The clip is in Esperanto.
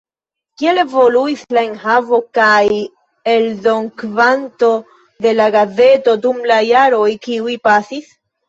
Kiel evoluis la enhavo kaj eldonkvanto de la gazeto dum la jaroj kiuj pasis?